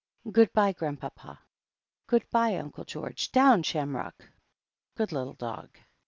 "Good bye, Grandpapa — good bye. Uncle George — down. Shamrock — ^good little dog!"